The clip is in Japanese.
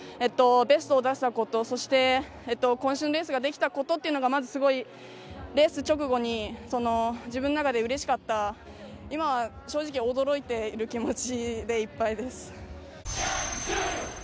ベストを出せたことそして、こん身のレースができたことというのがまず、すごいレース直後に自分の中でうれしかった今は正直、驚いている気持ちでいっぱいです。